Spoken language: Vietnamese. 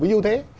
với như thế